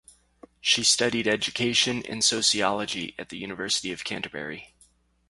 She studied education and sociology at the University of Canterbury.